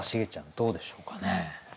どうでしょうかね？